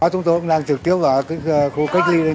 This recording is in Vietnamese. chúng tôi cũng đang trực tiếp vào khu cách ly đây